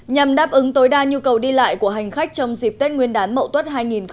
nhằm đáp ứng tối đa nhu cầu đi lại của hành khách trong dịp tết nguyên đán mậu tuất hai nghìn hai mươi